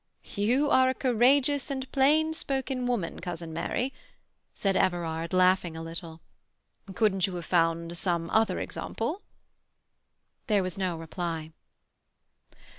"You are a courageous and plain spoken woman, cousin Mary," said Everard, laughing a little. "Couldn't you have found some other example?" There was no reply.